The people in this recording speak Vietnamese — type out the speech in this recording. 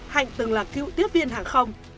hạnh từng là cựu tiếp viên hàng không